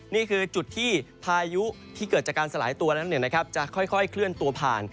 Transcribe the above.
นี่คือจุดที่พายุที่เกิดจากการสลายตัวนั้นจะค่อยเคลื่อนตัวผ่าน